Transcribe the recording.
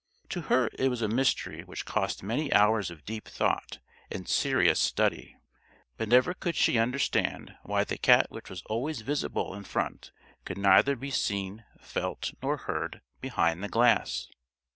To her it was a mystery which cost many hours of deep thought and serious study; but never could she understand why the cat which was always visible in front could neither be seen, felt, nor heard, behind the glass.